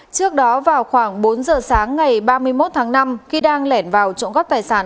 trước đó vào khoảng bốn giờ sáng ngày ba mươi một tháng năm khi đang lẻn vào trộm cắp tài sản